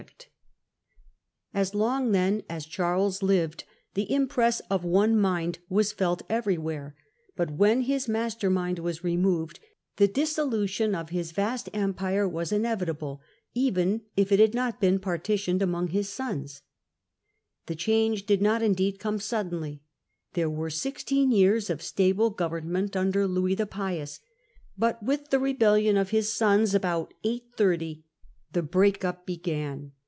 Digitized by VjOOQIC to HlLDRBRAND As long, then, as Charles lived, the impress of one mind was felt everywhere ; but when his master mind Break npof ^^ removcd the dissolution of his vast em to tSwh* P^ ^^ inevitable, even if it had not been century partitioned amongst his sons. The change did not, indeed, come suddenly ; there were sixteen years of stable government under Louis the Pious, but with the rebellion of his sons, about 830, the break up began.